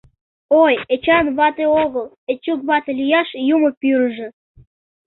Ой, Эчан вате огыл, Эчук вате лияш юмо пӱрыжӧ.